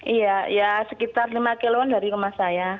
iya sekitar lima km dari rumah saya